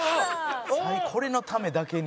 「これのためだけに」